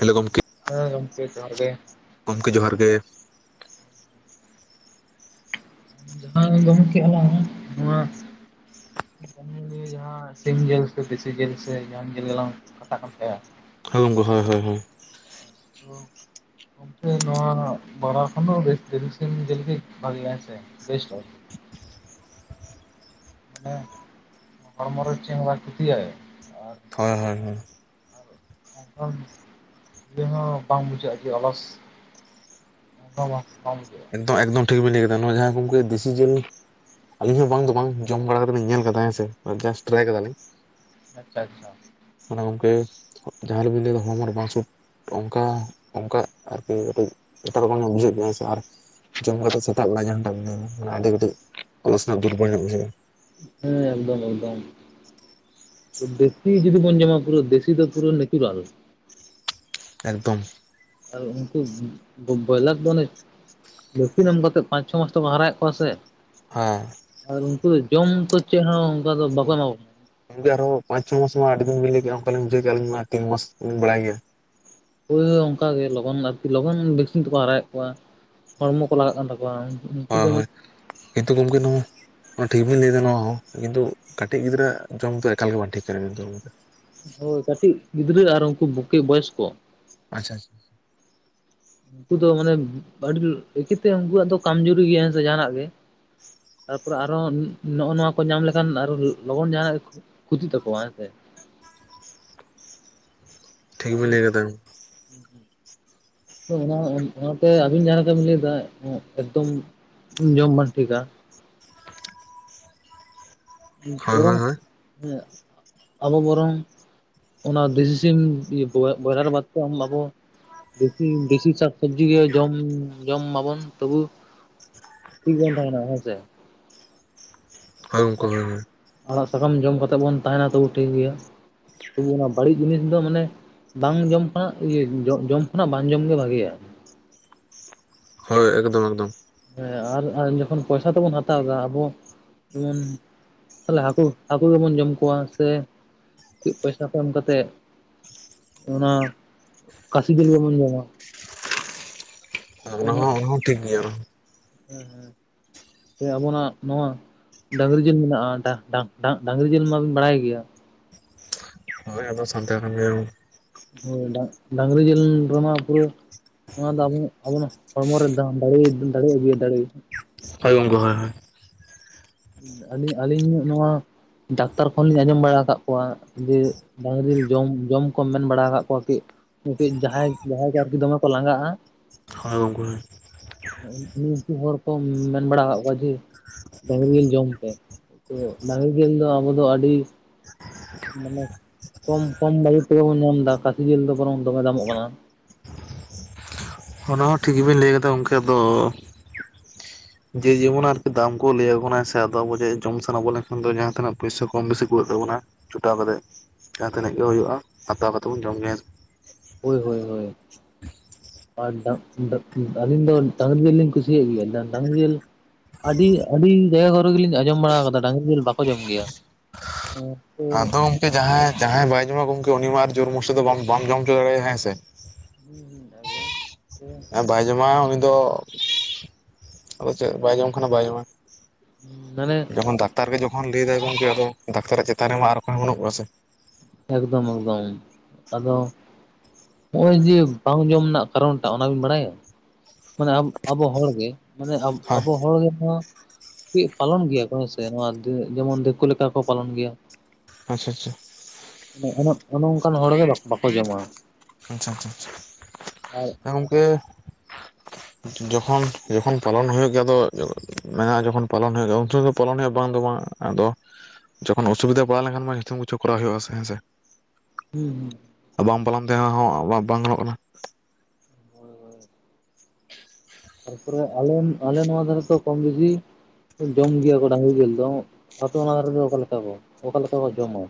Hello ᱜᱚᱢᱠᱮ ᱦᱮᱸ ᱜᱚᱢᱠᱮ ᱡᱚᱦᱟᱨ ᱜᱮ ᱜᱚᱢᱠᱮ ᱡᱚᱦᱟᱨ ᱜᱮ ᱡᱟᱦᱟᱸ ᱜᱚᱢᱠᱮ ᱟᱞᱟᱝ ᱱᱚᱣᱟ [unintelligible] ᱡᱟᱦᱟᱸ ᱥᱤᱢ ᱡᱤᱞ ᱥᱮ ᱫᱮᱥᱤ ᱡᱤᱞ ᱥᱮ ᱡᱟᱦᱟᱱ ᱡᱤᱞ ᱜᱮᱞᱟᱝ ᱠᱟᱛᱷᱟ ᱠᱟᱱ ᱛᱟᱸᱦᱮ ᱟ ᱦᱮᱸ ᱜᱚᱢᱠᱮ ᱦᱳᱭ ᱦᱳᱭ [unintelligible] ᱜᱚᱢᱠᱮ ᱱᱚᱣᱟ ᱵᱟᱨᱟ ᱠᱷᱚᱱ ᱫᱚ ᱵᱮᱥ ᱛᱤᱨᱤᱥ ᱥᱤᱢ ᱡᱮᱞ ᱜᱮ ᱵᱷᱟᱹᱜᱤᱭᱟ ᱦᱮᱸ ᱥᱮ [unintelligible] ᱢᱟᱱᱮ ᱦᱚᱲᱢᱚ ᱨᱮ ᱪᱮᱫ ᱦᱚᱸ ᱵᱟᱭ ᱠᱷᱩᱛᱤᱭᱟᱭ ᱦᱚᱭ ᱦᱚᱭ ᱦᱚᱭ [unintelligible] ᱦᱚᱸ ᱵᱟᱝ ᱵᱩᱡᱷᱟᱹᱜ-ᱟ ᱡᱮ ᱚᱞᱚᱥ ᱚᱱᱟ ᱦᱚᱸ ᱵᱟᱝ ᱵᱩᱡᱷᱟᱹᱜ-ᱟ ᱮᱠᱫᱚᱢ ᱮᱠᱫᱚᱢ ᱴᱷᱤᱠ ᱵᱮᱱ ᱞᱟᱹᱭ ᱠᱮᱫᱟ ᱱᱚᱣᱟ ᱡᱟᱸᱦᱟ ᱩᱱᱠᱩ ᱫᱮᱥᱤ ᱡᱤᱞ ᱟᱞᱤᱧ ᱦᱚᱸ ᱵᱟᱝ ᱫᱚ ᱵᱟᱝ ᱡᱚᱢ ᱵᱟᱲᱟ ᱠᱟᱛᱮ ᱞᱤᱧ ᱧᱮᱞ ᱟᱠᱟᱫᱟ ᱥᱮ ᱡᱟᱥᱴ ᱴᱨᱟᱭ ᱠᱟᱫᱟᱞᱤᱧ ᱟᱪᱪᱷᱟ ᱟᱪᱪᱷᱟ ᱚᱱᱟ ᱜᱚᱝᱠᱮ ᱡᱟᱦᱟᱸ ᱵᱤᱱ ᱞᱟᱹᱭ ᱠᱮᱫᱟ ᱦᱚᱲᱢᱚᱨᱮ ᱵᱟᱝ [unintelligible] ᱚᱱᱠᱟ ᱚᱱᱠᱟ [unintelligible] ᱡᱚᱢ ᱠᱟᱛᱮ ᱥᱮᱛᱟᱜ ᱵᱮᱲᱟ ᱡᱟᱦᱟᱸ ᱴᱟᱜ ᱢᱚᱱᱮᱭᱟ [unintelligible] ᱦᱮᱸ ᱮᱠᱫᱚᱢ ᱮᱠᱫᱚᱢ ᱫᱮᱥᱤ ᱡᱩᱫᱤ ᱵᱚᱱ ᱡᱚᱢᱟ ᱯᱩᱨᱟᱹ ᱫᱮᱥᱤ ᱫᱚ ᱯᱩᱨᱟᱹ ᱱᱮᱪᱩᱨᱟᱞ ᱮᱠᱫᱚᱢ ᱟᱨ ᱩᱱᱠᱩ ᱵᱚᱭᱞᱟᱨ ᱵᱚᱱᱮ ᱵᱷᱮᱠᱥᱤᱱ ᱮᱢ ᱠᱟᱛᱮᱫ ᱯᱟᱸᱪ ᱪᱷᱚ ᱢᱟᱥ ᱛᱮᱠᱚ ᱦᱟᱨᱟᱭᱮᱫ ᱠᱚᱣᱟ ᱥᱮ ᱦᱟᱸ ᱟᱨ ᱩᱱᱠᱩ ᱫᱚ ᱡᱚᱢ ᱛᱚ ᱪᱮᱫ ᱦᱚᱸ ᱚᱱᱠᱟ ᱫᱚ ᱵᱟᱠᱚ ᱮᱢᱟ ᱜᱚᱝᱠᱮ ᱟᱨᱦᱚᱸ ᱯᱟᱸᱪ ᱪᱷᱚ ᱢᱟᱥ ᱢᱟ ᱟᱹᱰᱤ ᱫᱤᱱ ᱵᱤᱱ ᱞᱟᱹᱭ ᱠᱮᱫ ᱚᱠᱟ ᱞᱤᱧ ᱵᱩᱡᱷᱟᱣ ᱠᱮᱫ-ᱟ ᱟᱞᱤᱧ ᱢᱟ ᱛᱤᱱ ᱢᱟᱥ ᱞᱤᱧ ᱵᱟᱲᱟᱭ ᱜᱮᱭᱟ ᱦᱳᱭ ᱚᱱᱠᱟ ᱜᱮ ᱞᱚᱜᱚᱱ ᱟᱨᱠᱤ ᱞᱚᱜᱚᱱ ᱵᱷᱮᱠᱥᱤᱱ ᱛᱮᱠᱚ ᱦᱟᱨᱟᱭᱮᱫ ᱠᱚᱣᱟ ᱦᱚᱲᱢᱚ ᱠᱚ ᱞᱟᱜᱟᱜ ᱠᱟᱱ ᱛᱟᱠᱚᱣᱟ ᱩᱱᱠᱩ ᱫᱚ ᱟᱭ ᱢᱟᱱᱮ ᱦᱤᱛᱚᱜ ᱜᱚᱝᱠᱮ ᱱᱚᱸ ᱱᱚᱣᱟ ᱴᱷᱤᱠ ᱵᱮᱱ ᱞᱟᱹᱭ ᱫᱟ ᱱᱚᱣᱟ ᱦᱚᱸ ᱠᱤᱱᱛᱩ ᱠᱟᱹᱴᱤᱡ ᱜᱤᱫᱽᱨᱟᱹ ᱡᱚᱢ ᱫᱚ ᱮᱠᱟᱞ ᱜᱮ ᱵᱟᱝ ᱴᱷᱤᱠ ᱟ ᱮᱠᱫᱚᱢ ᱦᱳᱭ ᱠᱟᱹᱴᱤᱡ ᱜᱤᱫᱽᱨᱟᱹ ᱟᱨ ᱩᱱᱠᱩ ᱵᱚᱠᱤ ᱵᱚᱭᱚᱥ ᱠᱚ ᱟᱪᱪᱷᱟ ᱟᱪᱷᱟ ᱩᱱᱠᱩ ᱫᱚ ᱢᱟᱱᱮ ᱟᱹᱰᱤ ᱵᱩᱠᱤ ᱛᱮ ᱩᱱᱠᱩᱣᱟᱜ ᱫᱚ ᱠᱟᱢᱡᱩᱨᱤ ᱜᱮᱭᱟ ᱦᱮᱸ ᱥᱮ ᱡᱟᱦᱟᱱᱟᱜ ᱜᱮ ᱛᱟᱨᱯᱚᱨᱮ ᱟᱨᱚ ᱱᱚᱜᱼᱚ ᱱᱚᱣᱟ ᱠᱚ ᱧᱟᱢ ᱞᱮᱠᱷᱟᱱ ᱟᱨᱚ ᱞᱚᱜᱚᱱ ᱡᱟᱦᱱᱟᱜ ᱠᱩᱫᱩ ᱛᱟᱠᱚᱣᱟ ᱦᱮᱸᱥᱮ ᱴᱷᱤᱠ ᱵᱤᱱ ᱞᱟᱹᱭ ᱠᱟᱫᱟ [inaudible] ᱚᱱᱟ ᱚᱱᱟᱛᱮ ᱟᱹᱵᱤᱱ ᱡᱟᱦᱟᱸ ᱞᱮᱠᱟ ᱵᱤᱱ ᱞᱟᱹᱭ ᱮᱫᱟ ᱮᱠᱫᱚᱢ ᱡᱚᱢ ᱵᱟᱝ ᱴᱷᱤᱠᱟ ᱦᱳᱭ ᱦᱳᱭ ᱵᱚᱨᱚᱝ ᱦᱳᱭ ᱟᱵᱚ ᱵᱚᱨᱚᱝ ᱚᱱᱟ ᱫᱮᱥᱤ ᱥᱤᱢ ᱵᱚᱭᱞᱟᱨ ᱵᱟᱫᱛᱮ ᱡᱚᱢ ᱢᱟᱵᱚ ᱵᱮᱥᱤ ᱫᱮᱥᱤ ᱥᱟᱠᱥᱚᱵᱡᱤ ᱜᱮ ᱡᱚᱢ ᱡᱚᱢ ᱢᱟᱵᱚᱱ ᱛᱚᱵᱩ ᱴᱷᱤᱠ ᱵᱚᱱ ᱛᱟᱦᱮᱱᱟ ᱦᱳᱭ ᱥᱮ ᱦᱚᱭ ᱜᱚᱢᱠᱮ ᱦᱳᱭ ᱦᱳᱭ ᱟᱲᱟᱜ ᱥᱟᱠᱟᱢ ᱡᱚᱢ ᱠᱟᱛᱮᱫ ᱵᱚᱱ ᱛᱟᱦᱮᱱᱟ ᱛᱚᱵᱩ ᱴᱷᱤᱠ ᱜᱮᱭᱟ ᱛᱚᱵᱩ ᱚᱱᱟ ᱵᱟᱹᱲᱤᱡ ᱡᱤᱱᱤᱥ ᱫᱚ ᱢᱟᱱᱮ ᱵᱟᱝ ᱡᱚᱢ ᱠᱷᱚᱱᱟᱜ ᱡᱚᱢ ᱠᱷᱚᱱᱟᱜ ᱵᱟᱝ ᱡᱚᱢᱜᱮ ᱵᱷᱟᱜᱮᱭᱟ᱾ ᱦᱳᱭ ᱮᱠᱫᱚᱢ ᱮᱠᱫᱚᱢ ᱦᱮᱸ ᱟᱨ ᱟᱨ ᱡᱚᱠᱷᱚᱱ ᱯᱚᱭᱥᱟ ᱛᱮᱵᱚᱱ ᱦᱟᱛᱟᱣᱫᱟ ᱟᱵᱚ ᱩᱱ ᱛᱟᱦᱞᱮ ᱦᱟᱹᱠᱩ ᱦᱟᱹᱠᱩ ᱜᱮᱵᱚᱱ ᱡᱚᱢ ᱠᱚᱣᱟ ᱥᱮ ᱯᱚᱭᱥᱟ ᱠᱚ ᱮᱢ ᱠᱟᱛᱮᱫ ᱚᱱᱟ ᱠᱟᱥᱤ ᱡᱤᱞ ᱜᱮᱵᱚᱱ ᱡᱚᱢᱟ ᱚᱱᱟ ᱛᱤᱱᱟᱹᱜ ᱦᱚᱸ ᱚᱱᱟ ᱦᱚᱸ ᱴᱷᱤᱠ ᱜᱮᱭᱟ ᱚᱱᱟᱦᱚᱸ ᱦᱮᱸ ᱦᱮᱸ ᱥᱮ ᱟᱵᱚᱱᱟᱜ ᱱᱚᱣᱟ ᱰᱟᱝᱨᱤ ᱡᱤᱞ ᱢᱮᱱᱟᱜᱼᱟ ᱰᱟ ᱰᱟ ᱰᱟ ᱰᱟᱝᱨᱤ ᱡᱤᱞ ᱢᱟᱵᱤᱱ ᱵᱟᱲᱟᱭ ᱜᱮᱭᱟ ᱦᱳᱭ ᱟᱫᱚ ᱥᱟᱱᱛᱟᱲ ᱠᱟᱱ ᱜᱮᱭᱟᱵᱚᱱ ᱦᱳᱭ ᱵᱟ ᱰᱟᱝᱨᱤ ᱡᱮᱹᱞ ᱨᱮᱢᱟ ᱯᱩᱨᱟᱹ ᱚᱱᱟ ᱫᱚ ᱟᱵᱚᱱᱟᱜ ᱟᱵᱚᱱᱟᱜ ᱦᱚᱲᱢᱚ ᱨᱮ ᱫᱮ ᱫᱟᱲᱮᱹ ᱫᱟᱲᱮᱹ ᱟᱹᱜᱩᱭᱟᱭ ᱫᱟᱲᱮᱹ ᱦᱳᱭ ᱜᱚᱢᱠᱮ ᱦᱳᱭ ᱦᱳᱭ ᱟᱹᱞᱤᱧ ᱟᱹᱞᱤᱧ ᱱᱚᱣᱟ ᱰᱟᱠᱛᱟᱨ ᱠᱷᱚᱱᱞᱤᱧ ᱟᱸᱡᱚᱢ ᱵᱟᱲᱟ ᱟᱠᱟᱫ ᱠᱚᱣᱟ ᱡᱮ ᱰᱟᱹᱝᱨᱤ ᱡᱤᱞ ᱡᱚᱢ ᱠᱚ ᱢᱮᱱ ᱵᱟᱲᱟ ᱟᱠᱟᱫ ᱠᱚᱣᱟ ᱠᱟᱹᱡ ᱠᱟᱹᱡ ᱡᱟᱦᱟᱸᱭ ᱡᱟᱦᱟᱸᱭ ᱠᱚ ᱟᱨᱠᱤ ᱫᱚᱢᱮ ᱠᱚ ᱞᱟᱸᱜᱟᱜᱼᱟ ᱦᱳᱭ ᱜᱚᱢᱠᱮ ᱦᱳᱭ ᱩᱱᱠᱩ ᱦᱚᱲ ᱠᱚ ᱢᱮᱱ ᱵᱟᱲᱟ ᱟᱠᱟᱫ ᱠᱚᱣᱟ ᱡᱮ ᱰᱟᱹᱦᱨᱤ ᱡᱮᱞ ᱡᱚᱢ ᱯᱮ ᱛᱚ ᱰᱟᱹᱝᱨᱤ ᱡᱮᱞ ᱫᱚ ᱟᱵᱚ ᱫᱚ ᱟᱹᱰᱤ ᱢᱟᱱᱮ ᱠᱚᱢ ᱠᱚᱢ ᱵᱟᱹᱲᱤ ᱛᱮᱜᱮ ᱵᱚᱱ ᱧᱟᱢ ᱫᱟ ᱠᱷᱟᱹᱥᱤ ᱡᱤᱞ ᱫᱚ ᱵᱚᱨᱚᱝ ᱫᱚᱢᱮ ᱫᱟᱢᱚᱜ ᱠᱟᱱᱟ ᱚᱱᱟ ᱦᱚᱸ ᱴᱷᱤᱠ ᱜᱮᱵᱤᱱ ᱞᱟᱹᱭ ᱠᱟᱫᱟ ᱜᱚᱢᱠᱮ ᱟᱫᱚ ᱡᱮ ᱡᱮᱢᱚᱱ ᱟᱨᱠᱤ ᱫᱟᱢ ᱠᱚ ᱞᱟᱹᱭ ᱟᱵᱚᱱᱟ ᱥᱮ ᱟᱫᱚ ᱟᱵᱚ ᱡᱚ ᱡᱚᱢ ᱥᱟᱱᱟ ᱵᱚ ᱞᱮᱱᱠᱷᱟᱱ ᱫᱚ ᱡᱟᱦᱟᱸ ᱛᱤᱱᱟᱹᱜ ᱯᱩᱭᱥᱟᱹ ᱠᱚᱢ ᱵᱤᱥᱤ ᱠᱩᱲᱟᱜ ᱛᱟᱵᱚᱱᱟ ᱡᱚᱴᱟᱣ ᱠᱟᱛᱮᱜ ᱡᱟᱦᱟᱸ ᱛᱤᱱᱟᱹᱜ ᱜᱮ ᱦᱩᱭᱩᱜᱼᱟ ᱦᱟᱛᱟᱣ ᱠᱟᱛᱮᱫ ᱵᱚᱱ ᱡᱚᱢ ᱧᱩᱭᱟ᱾ ᱦᱳᱭ ᱦᱳᱭ ᱦᱳᱭ ᱟᱨ ᱰᱟ ᱰᱟ ᱟᱹᱞᱤᱧ ᱫᱚ ᱰᱟᱝᱨᱤ ᱡᱤᱞ ᱞᱤᱧ ᱠᱩᱥᱤᱭᱟᱜ ᱜᱮᱭᱟ ᱰᱟ ᱰᱟᱝᱨᱤ ᱡᱤᱞ ᱟᱹᱰᱤ ᱟᱹᱰᱤ ᱡᱟᱭᱜᱟ ᱠᱚᱨᱮ ᱜᱮᱞᱤᱧ ᱟᱸᱡᱚᱢ ᱵᱟᱲᱟ ᱠᱟᱫᱟ ᱰᱟᱝᱨᱤ ᱡᱤᱞ ᱵᱟᱠᱚ ᱡᱚᱢ ᱜᱮᱭᱟ᱾ ᱟᱫᱚ ᱜᱚᱢᱠᱮ ᱡᱟᱦᱟᱸᱭ ᱡᱟᱦᱟᱸᱭ ᱵᱟᱭ ᱡᱚᱢᱟ ᱜᱚᱝᱠᱮ ᱩᱱᱤ ᱢᱟ ᱟᱨ ᱡᱳᱨ ᱢᱚᱥᱟ ᱫᱚ ᱵᱟᱢ ᱡᱚᱢ ᱦᱚᱪᱚ ᱫᱟᱲᱮᱟᱭ ᱦᱮᱸᱥᱮ ᱦᱩᱸ ᱦᱩᱸ ᱮᱠᱫᱚᱢ ᱦᱮᱸ ᱵᱟᱭ ᱡᱚᱢᱟ ᱩᱱᱤ ᱫᱚ ᱟᱫᱚ ᱪᱮᱫ ᱵᱟᱭ ᱡᱚᱢ ᱠᱷᱟᱱ ᱵᱟᱭ ᱡᱚᱢᱟ᱾ ᱢᱟᱱᱮ ᱡᱚᱠᱷᱚᱱ ᱰᱟᱠᱛᱟᱨ ᱜᱮ ᱡᱚᱠᱷᱚᱱ ᱞᱟᱹᱭ ᱫᱟᱭ ᱜᱠᱮ ᱟᱫᱚ ᱰᱟᱠᱛᱟᱨᱟᱜ ᱪᱮᱛᱟᱱ ᱨᱮᱢᱟ ᱟᱨ ᱚᱠᱚᱭ ᱦᱚᱸ ᱵᱟᱹᱱᱩᱜ ᱠᱚᱣᱟ ᱥᱮ ᱮᱠᱫᱚᱢ ᱮᱠᱫᱚᱢ ᱟᱫᱚ ᱦᱚᱸᱜ-ᱚᱚᱭ ᱡᱮ ᱵᱟᱝ ᱡᱚᱢ ᱨᱮᱱᱟᱜ ᱠᱟᱨᱚᱱᱴᱟᱜ ᱚᱱᱟᱵᱤᱱ ᱵᱟᱲᱟᱭᱟ? ᱢᱟᱱᱮ ᱟᱵᱚ ᱦᱚᱲᱜᱮ ᱢᱟᱱᱮ ᱦᱳᱭ ᱟᱵᱚ ᱦᱚᱲ ᱜᱮᱢᱟ ᱠᱟᱹᱡ ᱯᱟᱞᱚᱱ ᱜᱮᱭᱟ ᱠᱚ ᱦᱮᱸ ᱥᱮ ᱱᱚᱣᱟ ᱡᱮᱢᱚᱱ ᱫᱤᱠᱳ ᱞᱮᱠᱟ ᱠᱚ ᱯᱟᱞᱚᱱ ᱜᱮᱭᱟ᱾ ᱟᱪᱪᱷᱟ ᱟᱪᱪᱷᱟ ᱟᱪᱪᱷᱟ ᱚᱱᱮ ᱚᱱᱮ ᱚᱱᱠᱟᱱ ᱦᱚᱲᱜᱮ ᱵᱟᱠᱚ ᱡᱚᱢᱟ᱾ ᱟᱪᱪᱷᱟ ᱟᱪᱪᱷᱟ ᱟᱪᱪᱷᱟ ᱟᱨ ᱮ ᱜᱚᱢᱠᱮ ᱡᱚᱠᱷᱚᱱ ᱡᱚᱠᱷᱚᱱ ᱯᱟᱞᱚᱱ ᱦᱩᱭᱩᱜ ᱜᱮᱭᱟ ᱟᱫᱚ ᱢᱮᱱᱟᱜᱼᱟ, ᱡᱚᱠᱷᱚᱱ ᱯᱟᱞᱚᱱ ᱦᱩᱭᱩᱜ ᱜᱮᱭᱟ ᱩᱱ ᱥᱚᱢᱚᱭ ᱫᱚ ᱯᱟᱞᱚᱱ ᱦᱩᱭᱩᱜᱼᱟ ᱵᱟᱝ ᱫᱚ ᱵᱟᱝ᱾ ᱟᱫᱚ ᱡᱚᱠᱷᱚᱱ ᱚᱥᱩᱵᱤᱫᱷᱟ ᱯᱟᱲᱟᱣ ᱞᱮᱱᱠᱷᱟᱱ ᱢᱟ ᱡᱷᱚᱛᱚᱢ ᱠᱤᱪᱷᱩ ᱠᱚᱨᱟᱣ ᱦᱩᱭᱩᱜᱼᱟ ᱥᱮ ᱦᱮᱸ ᱥᱮ᱾ ᱦᱩᱸ ᱦᱩᱸ ᱟᱨ ᱵᱟᱢ ᱯᱟᱞᱟᱢ ᱛᱮ ᱦᱚᱸ ᱵᱟᱝ ᱜᱟᱱᱚᱜ ᱠᱟᱱᱟ᱾ ᱦᱳᱭ ᱦᱳᱭ᱾ ᱛᱟᱨᱯᱚᱨᱮ ᱟᱞᱮ ᱟᱞᱮ ᱱᱚᱣᱟ ᱫᱷᱟᱨᱮ ᱛᱚ ᱠᱚᱢ ᱵᱮᱥᱤᱼᱼ ᱡᱚᱢ ᱜᱮᱭᱟ ᱠᱚ ᱰᱟᱹᱨᱤ ᱡᱤᱞ ᱫᱚ ᱟᱹᱛᱩ ᱚᱱᱟᱷᱟᱨᱫᱚ ᱚᱠᱟ ᱞᱮᱠᱟ ᱠᱚ ᱚᱠᱟᱮ ᱞᱮᱠᱟ ᱠᱚ ᱡᱚᱢᱟ?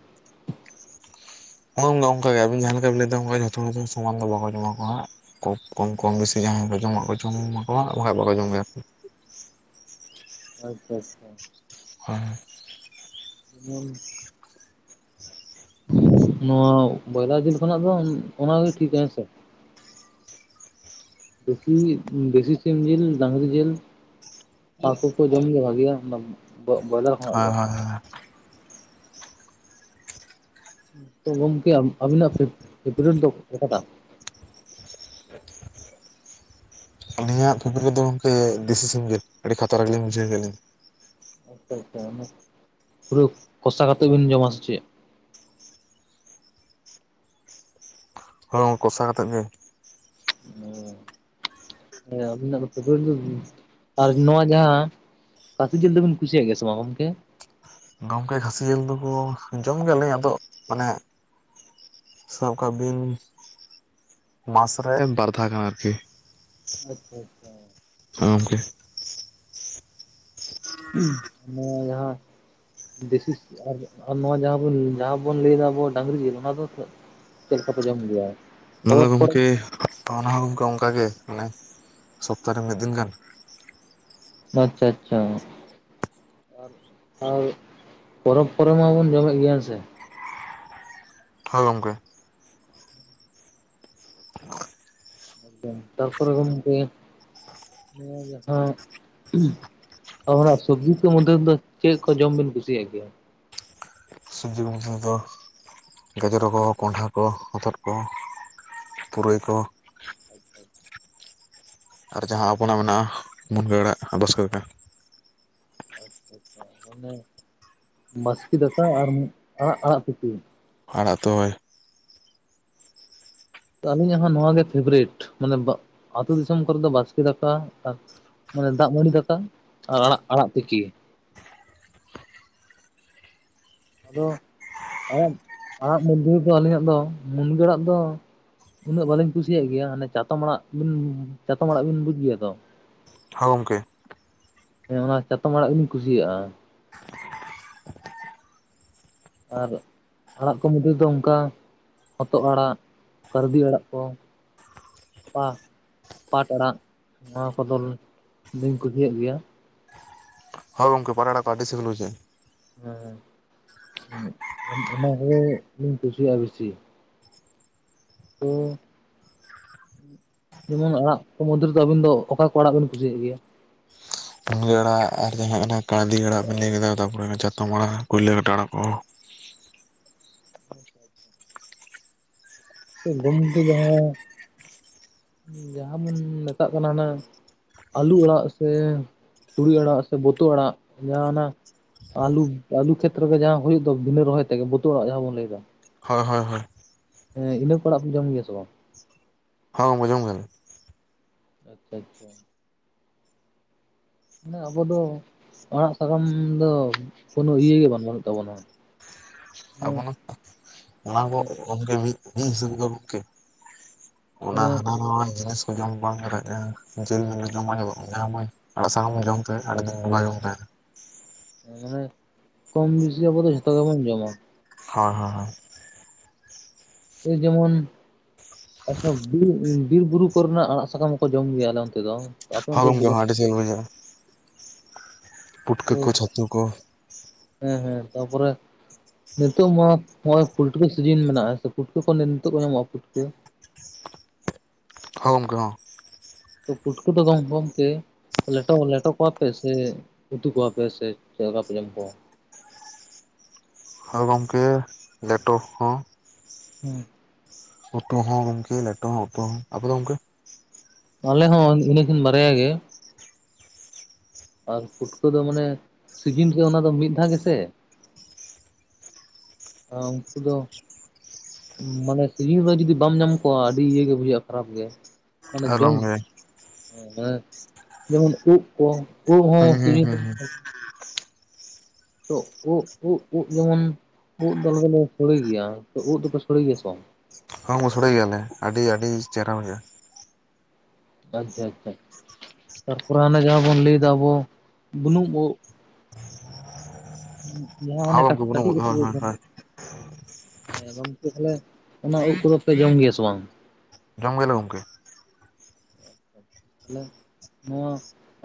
ᱱᱚᱝᱠᱟ ᱚᱱᱠᱟ ᱜᱮ ᱟᱵ ᱡᱟᱦᱟᱸ ᱞᱮᱠᱟ ᱵᱤᱱ ᱞᱟᱹᱭ ᱮᱫᱟ ᱚᱱᱠᱟ ᱡᱚᱛᱚᱢ ᱥᱚᱢᱟᱱ ᱫᱚ ᱵᱟᱠᱚ ᱡᱚᱢᱟ ᱠᱚ ᱦᱟᱜ ᱾ ᱠᱚ ᱠᱚᱢ ᱠᱚᱢ ᱵᱤᱥᱤ ᱡᱟᱦᱟᱸᱭ ᱠᱚ ᱡᱚᱢᱟᱜ ᱠᱚ ᱡᱚᱢᱟᱠᱚᱣᱟ ᱵᱟᱠᱟᱱ ᱵᱟᱠᱚ ᱡᱚᱢ ᱜᱮᱭᱟ᱾ ᱟᱪᱪᱷᱟ ᱟᱪᱪᱷᱟ᱾ ᱦᱚᱭ ᱦᱩᱸ ᱱᱚᱣᱟ ᱵᱚᱭᱞᱟᱨ ᱡᱤᱞ ᱠᱷᱚᱱᱟᱜ ᱫᱚ ᱚᱱᱟᱜᱮ ᱴᱷᱤᱠ ᱦᱮᱸᱥᱮ᱾ ᱫᱮᱥᱤ ᱫᱮᱥᱤ ᱥᱤᱢ ᱡᱤᱞ, ᱰᱟᱹᱝᱨᱤ ᱡᱤᱞ ᱦᱟᱹᱠᱩ ᱠᱚ ᱡᱚᱢ ᱜᱮ ᱵᱷᱟᱜᱤᱭᱟ ᱚᱱᱟ ᱵᱚᱭᱞᱟᱨ ᱠᱷᱚᱱᱟᱜ ᱦᱳᱭ ᱫᱚ᱾ ᱦᱳᱭ ᱛᱚ ᱜᱚᱢᱠᱮ ᱟᱵᱤ ᱯᱷᱮᱵᱨᱮᱴ ᱫᱚ ᱚᱠᱟ ᱴᱟᱜ? [inaudible] ᱟᱹᱞᱤᱧᱟᱜ ᱯᱷᱮᱵᱨᱮᱴ ᱫᱚ ᱜᱚᱢᱠᱮ ᱫᱮᱥᱤ ᱥᱤᱢᱡᱮᱞ ᱟᱹᱰᱤ ᱠᱷᱟᱛᱨᱟ ᱜᱮᱞᱤᱧ ᱵᱩᱡᱷᱟᱹᱣ ᱜᱮᱭᱟᱞᱤᱧ᱾ ᱟᱪᱪᱷᱟ ᱟᱪᱪᱷᱟ ᱯᱩᱨᱟᱹ ᱠᱚᱥᱟ ᱠᱟᱛᱮᱫ ᱵᱤᱱ ᱡᱚᱢᱟ ᱥᱮ ᱪᱮᱫ ᱦᱚᱭᱚᱝ ᱠᱚᱥᱟ ᱠᱟᱛᱮᱫ ᱜᱮ᱾ [inaudible] ᱦᱮᱸ ᱟᱹᱵᱤᱱᱟᱜ ᱫᱚ ᱟᱨ ᱱᱚᱣᱟ ᱡᱟᱦᱟᱸ᱾ ᱠᱷᱟᱥᱤ ᱡᱤᱞ ᱫᱚᱵᱤᱱ ᱠᱩᱥᱤᱭᱟᱜ ᱜᱮᱭᱟ ᱥᱮ ᱵᱟᱝ ᱜᱚᱢᱠᱮ? ᱜᱚᱢᱠᱮ ᱠᱷᱟᱹᱥᱤ ᱡᱤᱞ ᱫᱚᱠᱚ ᱡᱚᱢ ᱜᱮᱭᱟᱞᱮ ᱟᱫᱚ ᱢᱟᱱᱮᱼᱼ ᱥᱟᱵ ᱠᱟᱜ ᱵᱤᱱ ᱢᱟᱥ ᱨᱮ ᱵᱟᱨ ᱫᱷᱟ ᱜᱟᱱ ᱟᱨᱠᱤ᱾ ᱟᱪᱪᱷᱟ ᱟᱪᱪᱷᱟ᱾ ᱦᱚᱭ ᱜᱚᱢᱠᱮ᱾ ᱚᱱᱮ ᱡᱟᱦᱟᱼᱼ ᱫᱮᱥᱤ ᱱᱚᱣᱟ ᱡᱟᱦᱟᱸ ᱵᱚᱱ ᱞᱟᱹᱭᱟ ᱟᱵᱚ ᱰᱟᱝᱨᱤ ᱡᱤᱞ ᱚᱱᱟ ᱫᱚ ᱛᱚ ᱪᱮᱫᱠᱟ ᱯᱮ ᱡᱚᱢ ᱜᱮᱭᱟ᱾ ᱚᱱᱟ ᱫᱚ ᱠᱚᱨᱮ ᱜᱚᱢᱠᱮ ᱚᱱᱟᱦᱚ ᱜᱚᱢᱠᱮ ᱚᱝᱠᱟ ᱜᱮ ᱢᱟᱱᱮ ᱥᱚᱯᱛᱟᱦᱚ ᱨᱮ ᱢᱤᱫ ᱫᱤᱱ ᱜᱟᱱ᱾ ᱟᱪᱪᱷᱟ ᱟᱪᱪᱷᱟ᱾ ᱟᱨ ᱯᱚᱨᱚᱵᱽ ᱠᱚᱨᱮ ᱢᱟᱵᱚᱱ ᱡᱚᱢᱮᱫ ᱜᱮᱭᱟ ᱦᱮᱸ ᱥᱮ᱾ ᱦᱚᱭ ᱜᱚᱢᱠᱮ ᱛᱟᱨᱯᱚᱨᱮ ᱜᱚᱢᱠᱮ ᱱᱚᱣᱟ ᱡᱟᱦᱟᱸᱼᱼ ᱚᱱᱟ ᱥᱚᱵᱽᱡᱤ ᱠᱚ ᱢᱚᱫᱽᱫᱷᱮ ᱨᱮᱫᱚ ᱪᱮᱫ ᱠᱚ ᱡᱚᱢ ᱵᱤᱱ ᱠᱩᱥᱤᱭᱟᱜ ᱜᱮᱭᱟ? ᱥᱚᱵᱽᱡᱤ ᱠᱚ ᱢᱩᱫᱷᱮ ᱨᱮᱫᱚ ᱜᱟᱡᱽᱚᱨ ᱠᱚ, ᱠᱚᱸᱰᱷᱟ ᱠᱚ, ᱦᱚᱛᱚᱫ ᱠᱚ, ᱯᱩᱨᱟᱹᱭ ᱠᱚ᱾ [unintelligible] ᱟᱨ ᱡᱟᱦᱟᱸ ᱟᱵᱚᱱᱟᱜ ᱢᱮᱱᱟᱜᱼᱟ ᱢᱩᱱᱜᱟᱹ ᱟᱲᱟᱜ ᱵᱟᱥᱠᱮᱫᱟᱠᱟ᱾ ᱟᱪᱪᱷᱟ ᱟᱪᱪᱷᱟ ᱢᱟᱱᱮ ᱵᱟᱥᱠᱮ ᱫᱟᱠᱟ ᱟᱨ ᱟᱲᱟᱜ ᱟᱲᱟᱜ ᱛᱤᱠᱤ᱾ ᱟᱲᱟᱜ ᱫᱚᱭ ᱟᱹᱞᱤᱧᱟᱜ ᱦᱚᱸ ᱱᱚᱣᱟᱜ ᱜᱮ ᱯᱷᱮᱵᱨᱮᱴ ᱢᱟᱱᱮ ᱟᱹᱛᱳ ᱫᱤᱥᱚᱢ ᱠᱚᱨᱮ ᱫᱚ ᱵᱟᱥᱠᱮ ᱫᱟᱠᱟ ᱢᱟᱱᱮ ᱫᱟᱜ ᱢᱟᱹᱲᱰᱤ ᱫᱟᱠᱟ ᱟᱨ ᱟᱲᱟᱜ ᱟᱲᱟᱜ ᱛᱤᱠᱤ᱾ ᱟᱫᱚ ᱟᱲᱟᱜ ᱟᱲᱟᱜ ᱢᱚᱫᱽᱫᱷᱮ ᱨᱮᱫᱚ ᱟᱹᱞᱤᱧᱟᱜ ᱫᱚ ᱢᱩᱱᱜᱟᱹᱲᱟᱜ ᱫᱚᱼᱼ ᱩᱱᱟᱹᱜ ᱵᱟᱹᱞᱤᱧ ᱠᱩᱥᱤᱭᱟᱜ ᱜᱮᱭᱟ ᱢᱟᱱᱮ ᱪᱟᱛᱚᱢ ᱟᱲᱟᱜ ᱵᱤᱱ ᱪᱟᱛᱚᱢ ᱟᱲᱟᱜ ᱵᱤᱱ ᱵᱩᱡᱽ ᱜᱮᱭᱟ ᱛᱚ ᱦᱚ ᱜᱚᱢᱠᱮ ᱦᱮᱸ ᱚᱱᱟ ᱪᱟᱛᱚᱢ ᱟᱲᱟᱜ ᱜᱮᱞᱤᱧ ᱠᱩᱥᱤᱭᱟᱜᱼᱟ᱾ ᱟᱨ ᱟᱲᱟᱜ ᱠᱚ ᱢᱩᱫᱷᱮ ᱫᱚ ᱚᱱᱠᱟ ᱦᱚᱛᱚᱫ ᱟᱲᱟᱹᱜ ᱠᱟᱹᱨᱫᱤ ᱟᱲᱟᱜ ᱠᱚ᱾ ᱯᱟᱜ ᱯᱟᱴ ᱟᱲᱟᱜ ᱱᱚᱣᱟ ᱠᱚᱫᱚ ᱫᱚ ᱞᱤᱧ ᱠᱩᱥᱤᱭᱟᱜ ᱜᱮᱭᱟ᱾ ᱦᱚᱭ ᱜᱚᱝᱠᱮ ᱯᱟᱴ ᱟᱲᱟᱝ ᱫᱚ ᱟᱹᱰᱤ ᱥᱤᱵᱤᱞ ᱵᱩᱡᱷᱟᱵᱽ ᱟ᱾ ᱦᱮᱸ ᱚᱱ ᱚᱱᱟᱜᱮ ᱤᱧ ᱠᱩᱥᱤᱭᱟᱜᱼᱟ ᱵᱤᱥᱤ ᱛᱚ ᱡᱮᱢᱚᱱ ᱟᱲᱟᱜ ᱠᱚ ᱢᱚᱫᱽᱫᱷᱮ ᱨᱮᱫᱚ ᱟᱹᱵᱤᱱ ᱫᱚ ᱚᱠᱟ ᱠᱚ ᱟᱲᱟᱜ ᱵᱤᱱ ᱠᱩᱥᱤᱭᱟᱜ ᱜᱮᱭᱟ? ᱢᱩᱱᱜᱟᱹ ᱟᱲᱟᱜ ᱟᱨ ᱡᱟᱦᱟᱸ ᱚᱱᱟ ᱠᱟᱲᱰᱤ ᱟᱲᱟᱜ ᱵᱮᱤᱱ ᱞᱟᱹᱭ ᱠᱮᱫᱟ ᱛᱟᱯᱚᱨᱮ ᱚᱱᱮ ᱪᱟᱛᱚᱢ ᱟᱲᱟᱜ ᱠᱩᱭᱞᱟᱹ ᱠᱟᱴᱤ ᱟᱲᱟᱜ ᱠᱚ ᱟᱪᱪᱷᱟ ᱟᱪᱪᱷᱟ ᱠᱮ ᱜᱩᱱ ᱫᱚ ᱡᱟᱦᱟᱸ ᱡᱟᱦᱟᱸ ᱵᱚᱱ ᱢᱮᱛᱟᱜ ᱠᱟᱱᱟ ᱚᱱᱟ ᱟᱞᱩ ᱟᱲᱟᱜ ᱥᱮ ᱛᱩᱲᱤ ᱟᱲᱟᱜ ᱥᱮ ᱵᱟ. ᱛᱭᱟ. ᱟᱲᱟᱜ ᱡᱟᱦᱱᱟᱜ ᱟᱞᱩ ᱟᱞᱩ ᱠᱷᱮᱛᱨᱮ ᱨᱮᱜᱮ ᱡᱟᱦᱟᱸᱳᱭᱳ ᱫᱚ ᱵᱤᱱᱟᱹ ᱨᱚᱦᱚᱭ ᱛᱮᱜᱮ ᱵᱟ. ᱛᱩᱭᱟ. ᱟᱲᱟᱜ ᱡᱟᱦᱟᱸ ᱵᱚᱱ ᱞᱟᱹᱭ ᱫᱟ ᱦᱚᱭ ᱦᱚᱭ ᱦᱚᱭ ᱦᱮᱸ ᱤᱱᱟᱹ ᱠᱚ ᱚᱲᱟᱜ ᱠᱚ ᱡᱚᱢ ᱜᱮᱭᱟ ᱥᱮ ᱵᱟᱝ? ᱦᱚ ᱚᱢᱠᱮᱹ ᱡᱚᱢ ᱜᱮᱭᱟᱹᱤᱧ ᱟᱪᱪᱷᱟ ᱟᱪᱪᱷᱟ ᱢᱟᱱᱮ ᱟᱵᱚ ᱫᱚ ᱟᱲᱟᱜ ᱥᱟᱠᱟᱢ ᱫᱚ ᱠᱳᱱᱚ ᱤᱭᱟᱹ ᱜᱮ ᱵᱟᱝ ᱵᱟᱹᱱᱩᱜ ᱛᱟᱵᱚᱱᱟ ᱦᱮᱸ ᱟᱵᱚᱱᱚ ᱚᱱᱟᱠᱚ ᱦᱮᱸ ᱚᱝᱠᱮ ᱢᱤᱫ ᱢᱤᱫ ᱦᱤᱥᱟᱹᱵ ᱜᱮ ᱜᱚᱢᱠᱮ ᱚᱱᱟ ᱢᱟᱱᱮ ᱦᱟᱱᱟ ᱱᱟᱣᱟ ᱡᱤᱱᱤᱥ ᱠᱚ ᱡᱚᱢ ᱵᱟᱝ ᱫᱟᱫᱟᱭ ᱡᱮᱞ ᱡᱚᱢᱟ ᱵᱟ. ᱧ ᱟᱲᱟᱜ ᱥᱟᱠᱟᱢ ᱡᱚᱢᱛᱮ ᱟᱹᱰᱤ ᱫᱤᱱ ᱵᱚᱝᱜᱟ ᱡᱚᱝ ᱛᱮ ᱢᱟᱱᱮ ᱠᱚᱢ ᱵᱤᱥᱤ ᱜᱮ ᱟᱵᱚ ᱫᱚ ᱡᱷᱚᱛᱚ ᱜᱮᱵᱚᱱ ᱡᱚᱢᱟ ᱦᱚᱭ ᱦᱚᱭ ᱮᱭ ᱡᱮᱢᱚᱱ ᱟᱪᱪᱷᱟ ᱵᱤᱨ ᱵᱤᱨ ᱵᱩᱨᱩ ᱯᱩᱨ ᱨᱮᱱᱟᱜ ᱟᱲᱟᱜ ᱥᱟᱠᱟᱢ ᱦᱚᱸ ᱠᱚ ᱡᱚᱢ ᱜᱮᱭᱟᱞᱮ ᱚᱱᱛᱮ ᱫᱚ ᱟᱯᱮ ᱦᱚ ᱚᱱᱛᱮ ᱫᱚ ᱜᱚᱝᱠᱮ ᱡᱚᱢ ᱟᱰᱤ ᱵᱮᱥ ᱵᱩᱡᱷᱟᱹᱜᱼᱟ ᱯᱩᱴᱠᱟᱹ ᱛᱚ ᱠᱚ ᱪᱷᱟᱹᱛᱩ ᱠᱚ ᱦᱮᱸ ᱦᱮᱸ ᱛᱟᱨᱯᱚᱨᱮ ᱱᱤᱛᱚᱜ ᱢᱟ ᱱᱚᱜᱼᱚᱭ ᱯᱩᱴᱠᱟᱹ ᱥᱤᱡᱤᱱ ᱢᱮᱱᱟᱜᱼᱟ ᱥᱮ ᱯᱩᱴᱠᱟᱹ ᱠᱚ ᱱᱤᱛᱚᱜ ᱠᱚ ᱧᱟᱢᱚᱜᱼᱟ ᱯᱩᱴᱠᱟᱹ ᱦᱚ ᱜᱚᱢᱠᱮ ᱦᱚ ᱛᱚ ᱯᱩᱴᱠᱟ. ᱫᱚ ᱜᱚᱢ ᱜᱚᱢᱠᱮ ᱞᱮᱴᱚ ᱞᱮᱴᱚ ᱠᱚᱣᱟᱯᱮ ᱥᱮ ᱩᱛᱩ ᱠᱚᱣᱟᱯᱮ ᱥᱮ ᱪᱮᱫᱞᱮᱠᱟ ᱯᱮ ᱡᱚᱢ ᱠᱚᱣᱟ ᱦᱳᱭ ᱜᱚᱝᱠᱮ ᱞᱮᱴᱚ ᱦᱚᱸ ᱦᱩᱸ ᱩᱛᱩ ᱦᱚᱸ ᱜᱚᱢᱠᱮ ᱞᱮᱴᱚ ᱦᱚᱸ ᱩᱛᱩ ᱦᱚᱸ ᱟᱵᱚ ᱟᱫᱚ ᱜᱚᱝᱠᱮ ᱟᱞᱮ ᱦᱚᱸ ᱤᱱᱟᱹᱠᱤᱱ ᱵᱟᱨᱭᱟ ᱜᱮ ᱟᱨ ᱯᱷᱩᱴᱠᱟᱹ ᱫᱚ ᱢᱟᱱᱮ ᱥᱤᱡᱤᱱ ᱨᱮ ᱚᱱᱟ ᱫᱚ ᱢᱤᱫ ᱫᱷᱟᱣ ᱜᱮᱥᱮ ᱚ ᱩᱱᱠᱩ ᱫᱚ ᱢᱟᱱᱮ ᱥᱤᱡᱤᱱ ᱨᱮ ᱡᱩᱫᱤ ᱵᱟᱢ ᱧᱟᱢ ᱠᱚᱣᱭᱼᱟ ᱟᱹᱰᱤ ᱤᱭᱟᱹ ᱜᱮ ᱵᱩᱡᱷᱟᱜᱼᱟ ᱠᱷᱟᱨᱟᱯ ᱜᱮ ᱚᱱᱮ ᱡᱚᱢ ᱟᱞᱚᱢ ᱞᱟᱹᱭᱟ ᱮᱸ ᱡᱮᱢᱚᱱ ᱩᱫ ᱡᱚᱝ ᱩᱫ ᱦᱩᱸ ᱦᱚᱸ ᱦᱩᱸ ᱥᱤᱡᱤᱱ ᱦᱩᱸ ᱛᱮᱫᱚ ᱵᱷᱟᱜᱮ ᱛᱚ ᱩᱫ ᱩᱫ ᱩᱫ ᱡᱮᱢᱚᱱ ᱩᱫ ᱫᱚ ᱟᱞᱮ ᱫᱚᱞᱮ ᱥᱚᱲᱮ ᱜᱮᱭᱟ ᱛᱚ ᱩᱫ ᱫᱚᱯᱮ ᱥᱚᱲᱮ ᱜᱮᱭᱟ ᱥᱮ ᱵᱟᱝ? ᱦᱚᱸᱢ ᱥᱩᱥᱲᱮ ᱜᱮᱭᱟᱞᱮ ᱟᱹᱰᱤ ᱟᱹᱰᱤ ᱪᱮᱨᱦᱨᱟ ᱵᱩᱡᱷᱟᱹᱜᱼᱟ᱾ ᱟᱪᱪᱷᱟ ᱟᱪᱪᱷᱟ ᱛᱟᱨᱯᱚᱨᱮ ᱚᱱᱮ ᱡᱟᱦᱟᱸ ᱵᱚᱱ ᱞᱟᱹᱭᱫᱟ ᱟᱵᱚ ᱵᱩᱱᱩᱢ ᱩᱫ ᱩᱸ ᱡᱟᱦᱟᱸ ᱦᱚᱸ ᱚᱱᱮ ᱠᱟ ᱜᱚᱢᱠᱮ ᱵᱩᱱᱩᱢ ᱠᱟᱹᱴᱤᱡ ᱦᱳᱭ ᱠᱟᱹᱴᱤᱡ ᱩᱫ ᱦᱳᱭ ᱵᱚᱱ ᱦᱳᱭ ᱦᱮᱸ ᱜᱚᱢᱠᱮ ᱛᱟᱦᱚᱞᱮ ᱚᱱᱟ ᱩᱫ ᱠᱚᱫᱚ ᱯᱮ ᱡᱚᱢ ᱜᱮᱭᱟ ᱥᱮ ᱵᱟᱝ? ᱡᱚᱢ ᱜᱮᱭᱟᱞᱮ ᱜᱚᱢᱠᱮ [inaudible] ᱛᱟᱦᱚᱞᱮ ᱱᱚᱣᱟ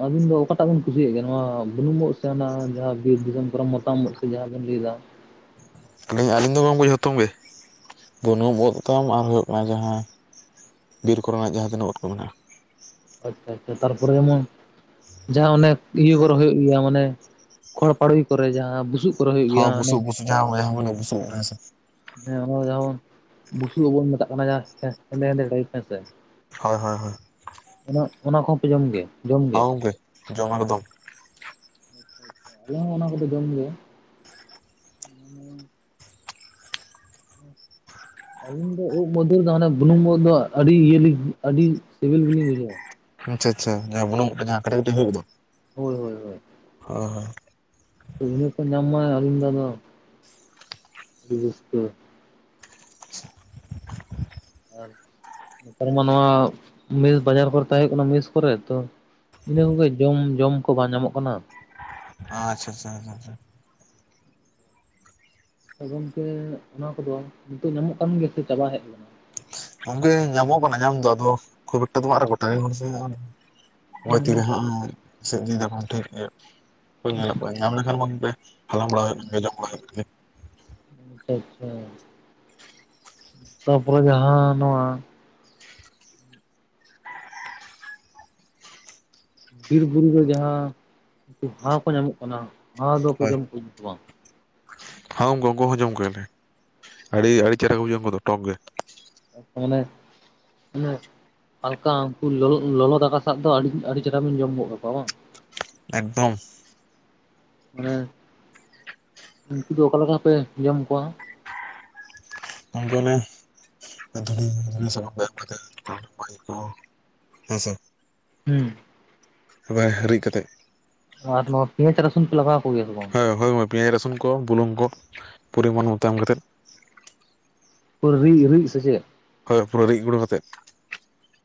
ᱟᱹᱵᱤᱱ ᱫᱚ ᱚᱠᱟᱴᱟᱜ ᱵᱤᱱ ᱠᱩᱥᱤᱭᱟᱜ ᱜᱮᱭᱟ ᱱᱚᱣᱟ ᱵᱩᱱᱩᱢ ᱳᱫ ᱥᱮ ᱚᱱᱟ ᱡᱟᱦᱟᱸ ᱵᱤᱨ ᱫᱤᱥᱚᱢ ᱠᱚᱨᱮ ᱢᱚᱛᱟᱢᱚ ᱳᱫ ᱥᱮ ᱡᱟᱦᱟᱸ ᱵᱤᱱ ᱞᱟᱹᱭ ᱫᱟ ᱟᱹᱞᱤᱧ ᱟᱹᱞᱤᱧ ᱫᱚ ᱜᱚᱢᱠᱮ ᱡᱷᱚᱛᱚᱢ ᱜᱮ ᱵᱩᱱᱩᱢ ᱩᱫ ᱛᱟᱢ ᱟᱨ ᱦᱩᱭᱩᱜ ᱠᱟᱱᱟ ᱡᱟᱦᱟᱸ ᱵᱤᱨ ᱠᱚᱨᱮᱱᱟᱜ ᱡᱟᱦᱟᱸ ᱛᱱᱟᱹᱜ ᱳᱫ ᱠᱚ ᱢᱮᱱᱟᱜᱼᱟ᱾ ᱟᱪᱪᱷᱟ ᱟᱪᱪᱷᱟ ᱛᱟᱨᱯᱚᱨᱮ ᱡᱮᱢᱚᱱ ᱡᱟᱦᱟᱸ ᱚᱱᱮ ᱤᱭᱟᱹ ᱠᱚᱨᱮ ᱦᱩᱭᱩᱜ ᱜᱮᱭᱟ ᱢᱟᱱᱮ ᱠᱷᱚᱲ ᱯᱟᱲᱳᱭ ᱠᱚᱨᱮ ᱡᱟᱦᱟᱸ ᱵᱩᱥᱩᱵ ᱼᱼ ᱦᱚᱸ ᱵᱩᱥᱩ ᱵᱩᱥᱩ ᱡᱟᱦᱟᱸ ᱵᱚ ᱵᱩᱥᱩᱯ ᱨᱮ ᱦᱮᱸ ᱚᱱᱟ ᱡᱮᱢᱚᱱ ᱵᱩᱥᱩᱵᱚᱱ [unintelligible] ᱢᱮᱛᱟᱜ ᱠᱟᱱᱟ ᱡᱟ ᱦᱮᱸᱫᱮ ᱦᱮᱸᱫᱮ ᱴᱟᱭᱤᱯ ᱦᱮᱸ ᱥᱮ᱾ ᱦᱳᱭ ᱦᱳ ᱦᱳᱭ ᱚᱱᱟ ᱚᱱᱟ ᱠᱚᱦᱚᱸ ᱯᱮ ᱡᱚᱢ ᱜᱮᱭᱟ? ᱦᱮᱹ ᱜᱚᱢᱠᱮ ᱡᱚᱢ ᱮᱠᱫᱚᱢ [unintelligible] ᱟᱪᱷᱟ᱾ ᱟᱞᱮ ᱦᱚᱸ ᱚᱱᱟ ᱠᱚᱫᱚ ᱡᱚᱢ ᱜᱮᱭᱟ᱾ ᱟᱹᱞᱤᱧ ᱫᱚ ᱩᱵ ᱢᱚᱫᱷᱩᱨ ᱫᱚ ᱦᱟᱱᱮ ᱵᱩᱞᱩᱢ ᱩᱫ ᱫᱚ ᱟᱹᱰᱤ ᱤᱭᱟᱹ ᱟᱹᱰᱤ ᱥᱤᱵᱤᱞ ᱜᱮᱞᱤᱧ ᱵᱩᱡᱷᱟᱹᱣᱟ ᱟᱪᱪᱷᱟ ᱟᱪᱪᱷᱟ ᱡᱟᱦᱟ ᱵᱩᱱᱩᱢ ᱳᱫ ᱠᱟᱹᱴᱤᱡ ᱠᱟᱹᱴᱤᱡ ᱦᱩᱭ ᱜᱚᱫᱚᱜ ᱟ ᱦᱳᱭ, ᱦᱳᱭ, ᱦᱳᱭ᱾ ᱚᱦᱚᱭ, [unintelligible] ᱟᱹᱞᱤᱧ ᱫᱚ ᱟᱫᱚ ᱟᱹᱰᱤ ᱨᱟᱹᱥᱠᱟᱹ ᱟᱨ ᱱᱮᱛᱟᱨ ᱢᱟ ᱱᱚᱣᱟ ᱢᱮᱥ ᱵᱟᱡᱟᱨ ᱠᱚᱨᱮ ᱛᱟᱦᱮᱸ ᱦᱩᱭᱩᱜ ᱠᱟᱱᱟ ᱢᱮᱥ ᱠᱚᱨᱮ᱾ ᱛᱚ, [unintelligible] ᱡᱚᱢ ᱡᱚᱢ ᱠᱚ ᱵᱟᱝ ᱧᱟᱢᱚᱜ ᱠᱟᱱᱟ᱾ ᱟᱪᱷᱟᱪᱷᱟ ᱟᱪᱷᱟᱪᱷᱟ, ᱦᱮᱸ ᱦᱮᱸ᱾ ᱛ ᱜᱚᱝᱠᱮ ᱚᱱᱟ ᱠᱚᱫᱚ ᱱᱤᱛᱳᱜ ᱧᱟᱢᱚᱜ ᱠᱟᱱ ᱜᱮᱭᱟ ᱥᱮ ᱪᱟᱵᱟ ᱦᱮᱡ ᱠᱟᱱᱟ? ᱜᱚᱝᱠᱮ ᱧᱟᱢᱚᱜ ᱠᱟᱱᱟ ᱧᱟᱢ ᱫᱚ ᱟᱫᱚ ᱠᱷᱩᱵ ᱮᱠᱴᱟ ᱫᱚ ᱵᱟ ᱟᱨ ᱜᱚᱴᱟᱜᱮ ᱦᱚᱲ ᱥᱮ? ᱦᱚᱼᱚᱭ ᱛᱤ ᱢᱟᱱᱮ ᱨᱮ ᱦᱟᱜ ᱥᱳᱜ ᱤᱫᱤ ᱵᱟᱵᱚᱱ ᱴᱷᱤᱠ ᱜᱮᱭᱟ ᱧᱮᱞᱚᱜ ᱯᱮ ᱧᱟᱢ ᱞᱮᱠᱷᱟᱱ ᱵᱚᱱ ᱵᱮ ᱦᱟᱞᱟᱝ ᱵᱟᱨᱟ ᱦᱩᱭᱩᱜ ᱠᱟᱱ ᱜᱮᱭᱟ ᱡᱚᱢ ᱵᱟᱨᱟ ᱦᱩᱭᱩᱜ ᱠᱟᱱᱜᱮᱭᱟ᱾ ᱟᱪᱪᱷᱟ, ᱛᱟᱯᱚᱨᱮ ᱡᱟᱦᱟᱸ ᱱᱚᱣᱟ, ᱵᱤᱨ ᱵᱩᱨᱩᱨᱮ ᱡᱟᱦᱟᱸ ᱩᱱᱠᱩ ᱦᱟᱣ ᱠᱚ ᱧᱟᱢᱚᱜ ᱠᱟᱱᱟ, ᱦᱟᱣ ᱫᱚᱠᱚ ᱡᱚᱢ ᱠᱚᱜᱮᱣᱟ ᱥᱮ ᱵᱟᱝ? ᱦᱚᱣ ᱩᱱᱠᱩ, ᱩᱱᱠᱩ ᱦᱚ ᱡᱚᱢ ᱠᱚᱜᱮᱭᱟᱞᱮ ᱟᱹᱰᱤ ᱟᱹᱰᱤ ᱪᱮᱦᱨᱟ ᱠᱚ ᱵᱩᱡᱷᱟᱣᱟ ᱩᱱᱠᱩ ᱫᱚ ᱴᱚᱠ ᱜᱮ᱾ [unintelligible] ᱦᱟᱞᱠᱟ ᱩᱱᱠᱩ ᱞᱚᱞᱚ ᱞᱚᱞᱚ ᱫᱟᱠᱟ ᱥᱟᱜ ᱫᱚ ᱟᱹᱰᱤ ᱟᱹᱰᱤ ᱪᱮᱦᱨᱟ ᱵᱤᱱ ᱡᱚᱢ ᱜᱚᱫ ᱠᱟᱠᱚᱣᱟ ᱵᱟᱝ? ᱮᱠᱫᱚᱢ᱾ ᱢᱟᱱᱮ, ᱩᱱᱠᱩ ᱫᱚ ᱚᱠᱟ ᱞᱮᱠᱟ ᱯᱮ ᱡᱚᱢ ᱠᱚᱣᱟ? ᱚᱱᱠᱩ ᱚᱱᱮ ᱫᱷᱩᱲᱤ ᱫᱷᱲᱤᱭᱟᱹ ᱫᱟᱠᱟᱢ ᱠᱚ ᱮᱢ ᱠᱟᱛᱮ, [unintelligible] ᱦᱮᱸ ᱥᱮ᱾ ᱦᱩᱸ᱾ ᱚᱵᱟᱭ ᱦᱤᱨᱤᱡ ᱠᱟᱛᱮᱜ᱾ [unintelligible] ᱯᱮᱸᱭᱟᱡᱽ ᱨᱟᱥᱩᱱ ᱯᱮ ᱞᱟᱜᱟᱣᱟᱠᱚ ᱜᱮᱭᱟᱥᱮ ᱵᱟᱝ? ᱦᱳᱭ ᱦᱳᱭ ᱢᱳᱭ ᱯᱮᱸᱭᱟᱡᱽ ᱨᱟᱹᱥᱩᱱ ᱠᱚ, ᱵᱩᱞᱩᱝ ᱠᱚ ᱯᱚᱨᱤᱢᱟᱱ ᱢᱚᱛ ᱮᱢ ᱠᱟᱛᱮᱫ, ᱠᱩᱲᱵᱷᱤ ᱩᱨᱤᱡ ᱥᱮ ᱪᱮᱫ? ᱦᱳᱭ ᱯᱩᱨᱟᱹ ᱨᱤᱫ ᱜᱩᱱᱰᱟᱹ ᱠᱟᱛᱮᱫ᱾